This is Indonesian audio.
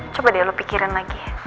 coba deh lo pikirin lagi